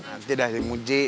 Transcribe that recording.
nanti dah dimuji